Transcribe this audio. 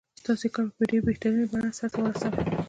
ستاسې کار په ډېره بهتره بڼه سرته ورسوي.